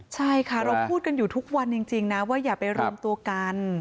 ใช่ค่ะเราพูดกันอยู่ทุกวันจริงนะว่าอย่าไปรวมตัวกัน